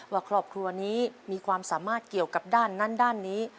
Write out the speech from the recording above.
ว่าครอบครัวนี้มีความสามารถเกี่ยวกับด้านนั้นด้านนี้